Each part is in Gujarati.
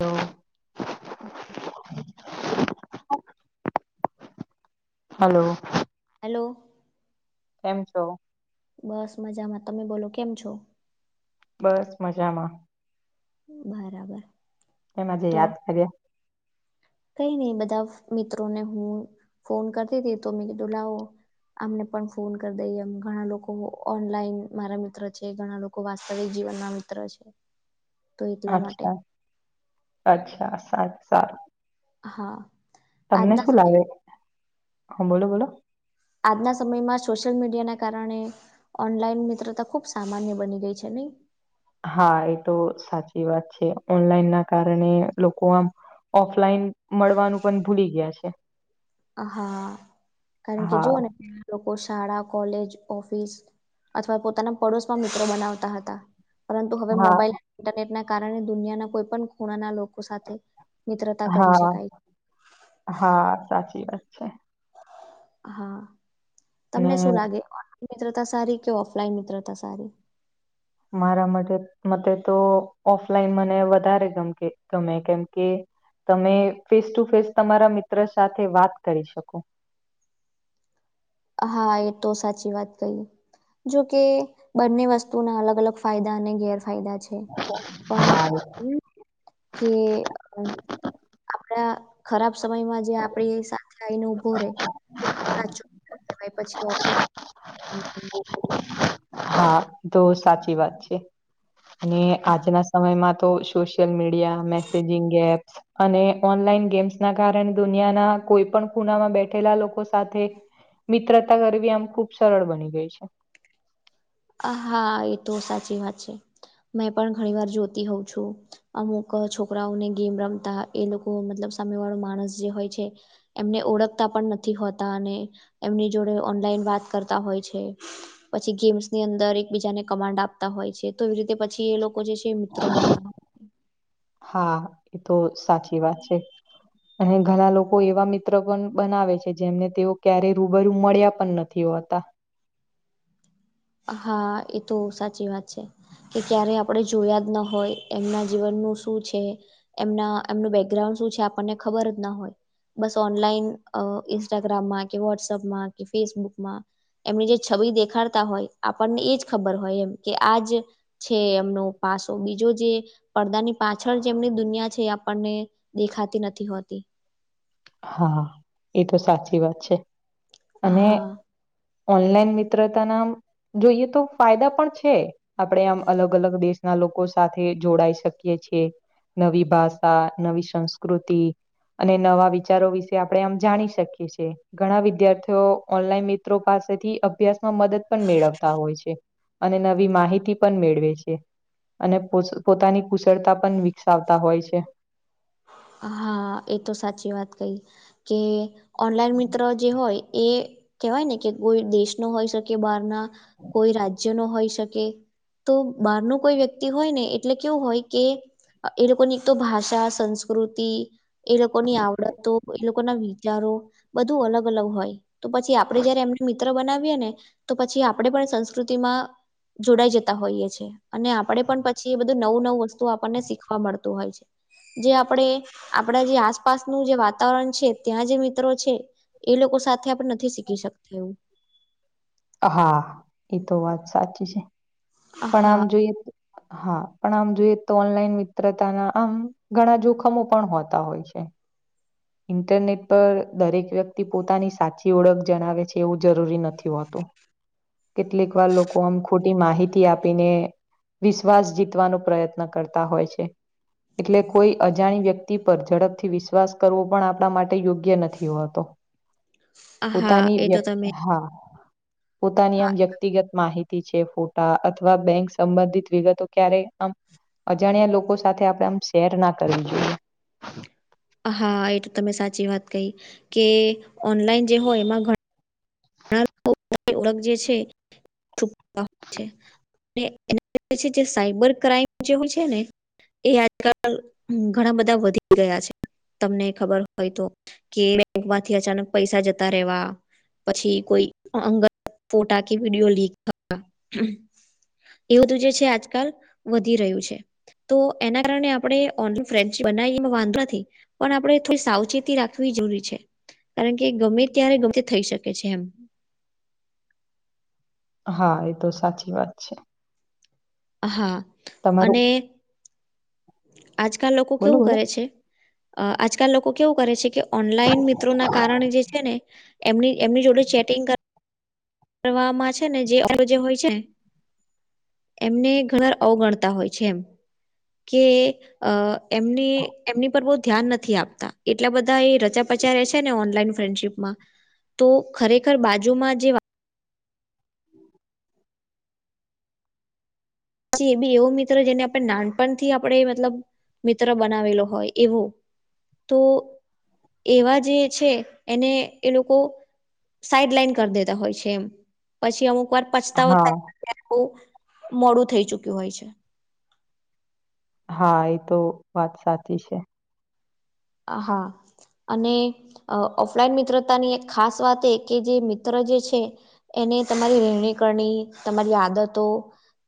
તો હલો હલો કેમ છો બસ મજામાં તમે બોલો કેમ છો બસ મજામાં બરાબર એમાં જે તો યાદ કર્યા કઈ નહી બધા મિત્રોને હું ફોન કરતી હતી તો મેં કીધું લાવો અમને પણ ફોન કરી દઈએમ ઘણા લોકો ઓનલાઈન મારા મિત્ર છે ઘણા લોકો વાસ્તવિક જીવનમાં મિત્ર છે તો એટલા માટે અચ્છા અચ્છા સાચ સારું હા તમને આજના શું લાવે હા બોલો બોલો આજના સમયમાં સોશિયલ મીડિયાના કારણે ઓનલાઈન મિત્રતા ખુબ સામાન્ય બની ગઈ છે નહી હા એ તો સાચી વાત છે ઓનલાઈન ના કારણે લોકો આમ ઓફલાઈન મળવાનું પણ ભૂલી ગયા છે હા કારણ કે હા જુઓને લોકો શાળા કોલેજ ઓફિસ અથવા પોતાના પડોશમાં મિત્રો બનાવતા હતા પરંતુ હવે હા મોબાઈલ ઇન્ટરનેટના કારણે દુનિયાના કોઈ પણ ખૂણાના લોકો સાથે મિત્રતા કરી હા શકાય હા સાચી વાત છે હા અને તમને શું લાગે ઓનલાન મિત્રતા સારી કે ઓફલાઈન મિત્રતા સારી મારા માટે મતે તો ઓફલાઈન મને વધારે ગમે ગમે કેમ કે તમે ફેસ ટુ ફેસ તમારા મિત્ર સાથે વાત કરી શકો હા, એ તો સાચી વાત કહી. જોકે બંને વસ્તુના અલગ અલગ ફાયદા અને ગેરફાયદા છે પણ હા કે આપડા ખરાબ સમયમાં જે આપડી લ ઉભો રેચ પછી ઓફલાઈન હા તો સાચી વાત છે અને આજના સમયમાં તો સોશિયલ મીડિયા મેસેજિંગ એપ્સ અને ઓનલાઈન ગેમ્સ ના કારણે દુનિયાના કોઈ પણ ખૂણામાં બેઠેલા લોકો સાથે મિત્રતા કરવી આમ ખુબ સરળ બની ગઈ છે આ હા એ તો સાચી વાત છે મેં પણ ઘણી વાર જોતી હોઉ છું અમુક છોકરાઓને ગેમ રમતા એ લોકો મતલબ સામે વાળો માણસ જે હોય છે એમને ઓળખતા પણ નથી હોતા અને એમની જોડે ઓનલાઈન વાત કરતા હોય છે પછી ગેમ્સ ની અંદર એકબીજાને કમાન્ડ આપતા હોય છે તો એ રીતે પછી એ લોકો જે છે મિત્રો બનતા હોય છે હા એ તો સાચી વાત છે અને ઘણા લોકો એવા મિત્ર પણ બનાવે છે જેમને તેઓ ક્યારે રૂબરૂ મળ્યા પણ નથી થયો હતા હા એ તો સાચી વાત છે કે ક્યારેય આપણે જોયા જ ન હોય એમના જીવનનું શું છે એમના એમનું બેકગ્રાઉન્ડ શું છે આપણને ખબર જ ના હોય બસ ઓનલાઈન અ ઇન્સ્ટાગ્રામમાં કે વોટ્સઅપમાં કે ફેસબુકમાં એમની જે છવી દેખાડતા હોય આપણને એજ ખબર હોય એમ કે આજ છે એમનો પાસો બીજો જે પડદાની પાછળ જે એમની દુનિયા છે એ આપણને દેખાતી નથી હોતી. હા એ તો સાચી વાત છે અને. હા ઓનલાઈન મિત્રતા ના આમ જોઈએ તો ફાયદા પણ છે આપણે આમ અલગ અલગ દેશના લોકો સાથે જોડાઈ શકીએ છીએ નવી ભાષા નવી સંસ્કૃતિ અને નવા વિચારો વિશે આપડે જાણી શકી છી ઘણા વિદ્યાર્થીઓ ઓનલાઈન મિત્રો પાસેથી અભ્યાસ મદદ પણ મેળવતા હોય છે અને નવી માહિતી પણ મેળવે છે અને પોતાની કુશળતા પણ વિકસાવતા હોય છે હા એ તો સાચી વાત કઈ કે ઓનલાઈન મિત્ર જે હોય એ કેવાય ને કે કોઈ દેશ નો હોઈ શકે બહાર ના કોઈ રાજ્ય નો હોઈ શકે તો બહાર નો કોઈ વ્યક્તિ હોય ને એટલે કેવું હોય કે એ લોકોની એક તો ભાષા સંસ્કૃતિ એ લોકોની આવડતો એ લોકો ના વિચારો બધું અલગ અલગ હોય. તો પછી આપડે જયારે એમને મિત્ર બનાવીએ ને. તો પછી આપણે પણ સંસ્કૃતિમાં જોડાઈ જતા હોઈએ છે અને આપડે પણ પછી એ. નવું નવું વસ્તુ આપણને શીખવા મળતું હોય છે. જે આપણેે આપડા જે આસપાસનું જે વાતાવરણ છે ત્યાં જે મિત્રો છે. એ લોકો સાથે આપણે નથી શીખી શકતા એવું. હા એ તો વાત સાચી છે પણ આમ હા જોઈએ. હા પણ આમ જોઈએ તો ઓનલાઈન મિત્રતાના આમ ઘણા જોખમો પણ હોતા હોય છે. ઇન્ટરનેટ પર દરેક વ્યક્તિ પોતાની સાચી ઓળખ જણાવે છે એવું જરૂરી નથી હોતું. કેટલીક વાર લોકો આમ ખોટી માહિતી આપીને. વિશ્વાસ જીતવાનો પ્રયત્ન કરતા હોય છે. એટલે કોઈ અજાણી વ્યક્તિ પર ઝડપથી વિશ્વાસ. કરવું પણ આપણા માટે યોગ્ય નથી હોતો. હા પોતાની વ એ તો તમે હા પોતાની આમ વ્યક્તિગત માહિતી છે. ફોટા અથવા બેંક સંબંધિત વિગતો ક્યારે આમ. અજાણ્યા લોકો સાથે આપડે આમ શેર ના કરવી જોઈએ. હા એ તો તમે સાચી વાત કહી કે ઓનલાઈન જે હોય એમાં. ઓળખ જે છે છે. અને એના જે સાઈબર ક્રાઈમ જે હોય છે ને. એ આજકાલ ઘણા બધા વધી ગયા છે તમને ખબર હોય તો. કે બેંક માંથી અચાનક પૈસા જતા રહેવા. પછી કોઈ અંગત ફોટા કે વિડીયો લીક થવા એ બધું જે છે આજકાલ વધી રહ્યું છે. તો એના કારણે આપણે ઓનલાન ફ્રેન્ચ બનાવી એ વાંધો નથી. પણ આપણે થોડી સાવચેતી રાખવી જરૂરી છે કારણ કે ગમે ત્યારે ગમે તે થઈ શકે. છે એમ. હા એ તો સાચી વાત છે. હા તમારું અને આજકાલ લોકો બોલો કેવું બોલો કરે છે. અ આજકાલ લોકો કેવું કરે છે કે ઓનલાઈન મિત્રો ના કારણે જે છે ને. એમની એમની જોડે ચેટિંગ. કરમાં છે ને જે આપડ જે હોય છે. એમને ઘણાર અવગણતા હોય છે એમ કે અ. એમની એમની પર બ. ધ્યાન નથી આપતા એટલા બધા એ રચા પચા રહે છે ને ઓનલાઈન ફ્રેન્ડશીપમાં. તો ખરેખર બાજુમાં જે. પછી એ બી એવો મિત્ર જેને આપણે નાનપણથી આપણે મતલબ મિત્ર બનાવેલો હોય એવો. તો એવા જે છે એને એ લોકો. સાઈડ લઈન કરી દેતા હોય છે એમ પછી અમુક વાર. પછતાવો હા થાય બહ મોડું થઈ ચુક્યું હોય છે. હા એ તો વાત સાચી છે. હ હા. અને ઓફલાઈન મિત્રતાની એક ખાસ વાત એ કે જે મિત્ર જે છે. એને તમારી રહેેણી કરણી તમારી આદતો.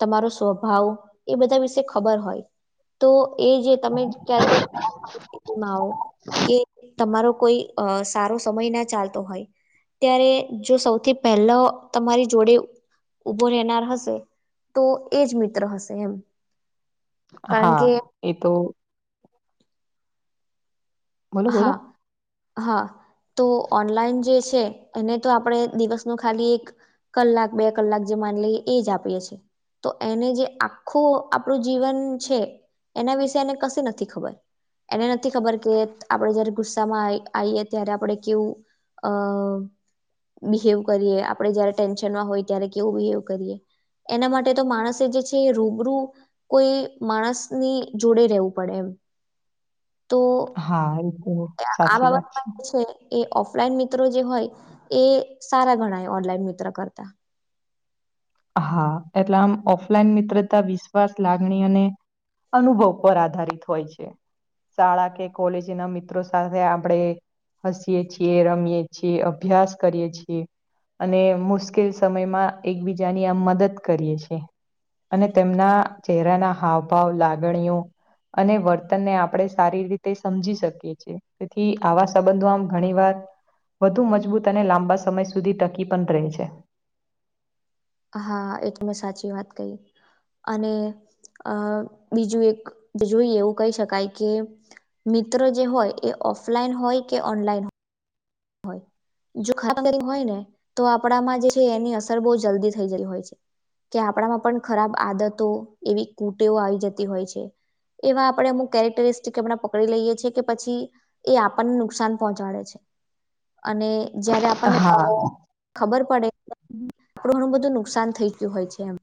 તમારો સ્વભાવ એ બધા વિશે ખબર હોય. તો એ જે તમે ક્યારે કોઈ. કે તમારો કોઈ સારો સમય ના ચાલતો હોય. ત્યારે જો સૌથી પહેલા તમારી જોડે. ઉભો રહેનાર હશે તો એજ મિત્ર હશે એમ. કારણ હા કે એ તો બોલો બોલો હા હા તો ઓનલાઈન જે છે એને તો આપણે દિવસનું ખાલી એક કલાક બે કલાક જે માની લઈએ એ જ આપીએ છીએ તો એને જે આખું આપણું જીવન છે એના વિશે એને કશ નથી ખબર એને નથી ખબર કે આપણેે જયારે ગુસ્સામાં આવીએ ત્યારે આપણે કેવું અ બિહેવ કરીએ આપડણે જયારે ટેન્શનમાં હોય ત્યારે કેવું બિહેવ કરીએ એના માટે તો માણસે જે છે એ રૂબરૂ કોઈ માણસ ની જોડે રહેવું પડે એમ તો હા તો આ સાચી વાત છે. બાબા એ ઓફલાઈન મિત્રો જે હોય એ સારા ગણાય ઓનલાઈન મિત્ર કરતા હા એટલે આમ ઓફલાઈન મિત્રતા વિશ્વાસ લાગણી અને અનુભવ પર આધારિત હોય છે શાળા કે કોલેજ ના મિત્રો સાથે આપડે હસીએ છીએ રમીએ છીએ અભ્યાસ કરીએ છીએ અને મુશ્કેલ સમયમાં એકબીજાની આમ મદદ કરીએ છે અને તેમના ચહેરાના હાવભાવ લાગણીઓ અને વર્તનને આપણે સારી રીતે સમજી શકીએ છીએ તેથી આવા સંબંધો આમ ઘણી વાર વધુ મજબૂત અને લાંબા સમય સુધી ટકી પણ રહે છે હા એટ મે સાચી વાત કહી અને અ બીજું એક જોઈ એવું કહી શકાય કે મિત્રો જે હોય એ ઓફલાઈન હોય કે ઓનલાઈન હોય જો ખ હોય ને તો આપડામાં જે છે એની અસર બહ જલ્દી થઈ જ હોય છે કે આપણામાં પણ ખરાબ આદતો એવી કૂટેઓ આવી જતી હોય છે એવા આપડણે અમુક કેરેક્ટરિસ્ટિક એમણા પકડી લઈએ છીએ કે પછી એ આપણને નુકસાન પહોંચાડે છે અને જયારે આપણને હા ખબર પડે આપું ઘણું બધું નુકસાન થઈ ગયું હોય છે એમ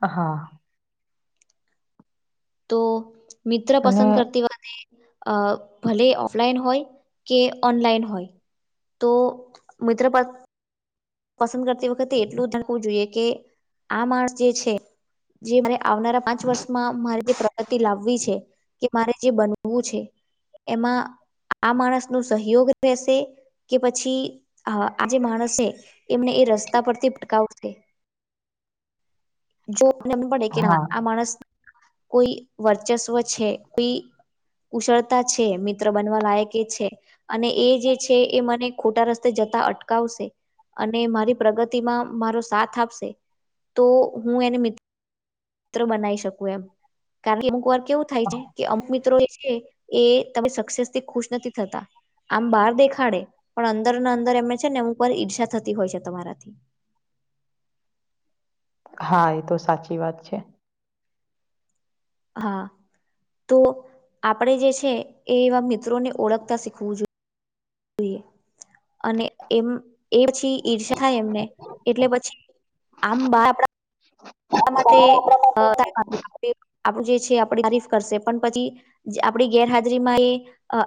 હા તો મિત્ર અને પસંદ કરતી વા અ ભલે ઓફલાઈન હોય કે ઓનલાઈન હોય તો મિત્રપ પસંદ કરતી વખતે એટલું ધકવું જોઈએ કે આ માણસ જે છે જે મને આવનારા પાંચ વર્ષમાં મારે જે પ્રગતિ લાવવી છે કે મારે જે બનવું છે એમાં આ માણસ ન સહયોગ રહેશે કે પછી હા આ જે માણસ હે એમને એ રસ્તા પરથી પટકાવશે જોને એમ પડે કે ના હા આ માણસ કોઈ વર્ચસ્વ છે કોઈ ઉશળતા છે મિત્ર બનવા લાયકે એ છે અને એ જે છે એ મને ખોટા રસ્તે જતા અટકાવશે અને મારી પ્રગતિમાં મારો સાથ આપશે તો હું એને મ મિત્ર બનાવી શકું એમ કારણ કે અમુક વાર કેવું થાય છે કે અમુક મિત્રો એ છે એ તમે સક્સેસ થી ખુશ નથી થતા આમ બહાર દેખાડે પણ અંદર ના અંદર એમને છે ને એમ ઉપર ઈર્ષા થતી હોય છે તમારાથી હા એ તો સાચી વાત છે હા તો આપણેે જે છે એ એવા મિત્રોને ઓળખતા શીખવું જોઈએ અને એમ એ પછી ઈર્ષા થાય એમને એટલે પછી આમ બ આપ એ માટે અ [inaudible] આપડુ જે છે આપડી તારીફ કરશે પણ પછી આપણી ગેરહાજરીમાં એ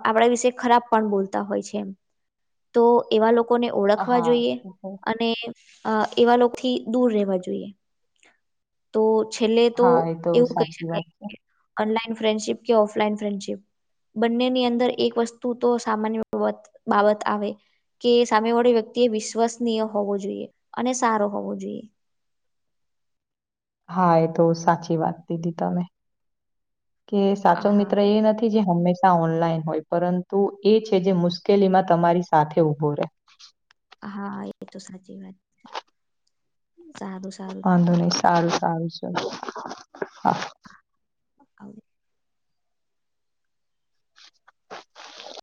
આપણા વિશે ખરાબ પણ બોલતા હોય છે એમ. તો એવા લોકોને ઓળખવા હા જોઈએ એ તો- અને અ એવા લોકથી દૂર રહેવા જોઈએ. તો છેલ્લે તો હા એ એવું કહી સાચી વાત શકાય છે કે અનલાઇન ફ્રેડશિપ કે ઓફલાઈન ફ્રેન્ડશિપ બંનેની અંદર એક વસ્તુ તો સામાન્ય [unintelligible] બાબત આવે કે સામે વાળી વ્યક્તિ એ વિશ્વસનીય હોવો જોઈએ અને સારો હોવો જોઈએ. હા એ તો સાચી વાત કીધી તમે. કે સાચો હા મિત્ર એ નથી જે હંમેશા ઓનલાઈન હોય પરંતુ એ છે જે મુશ્કેલીમાં તમારી સાથે ઉભો રહેે. હા એ તો સાચી વાત છે. વાંધો નય સારું સારું છે. હ